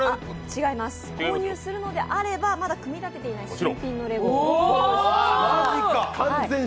違います、購入するのであればまだ組み立てていない新品のレゴを。